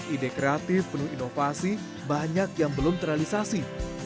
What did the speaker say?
ide kreatif penuh inovasi banyak yang belum terrealisasi